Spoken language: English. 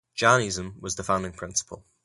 Jann Eason was the founding Principal.